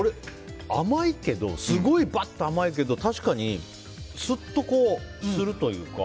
すごいバッと甘いけど確かに、スッとするというか。